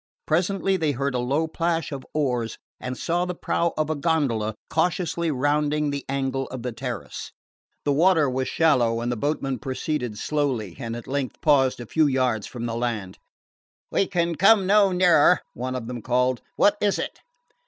Presently they heard a low plash of oars and saw the prow of a gondola cautiously rounding the angle of the terrace. The water was shallow and the boatmen proceeded slowly and at length paused a few yards from the land. "We can come no nearer," one of them called; "what is it?"